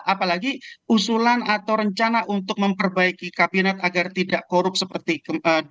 apalagi usulan atau rencana untuk memperbaiki kabinet agar tidak korup seperti kemarin